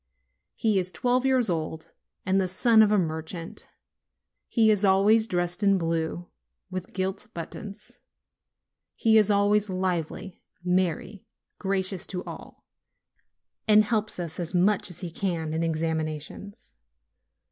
He is twelve years old, and the son of a merchant; he is always dressed in blue, with gilt buttons ; he is always lively, merry, gracious to all, and helps us as much as he can in examinations.